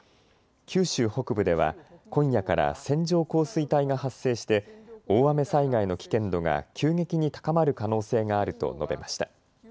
九州北部では今夜から線状降水帯が発生して大雨災害の危険度が急激に高まる可能性があると述べました。